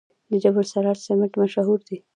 د جبل السراج سمنټ مشهور دي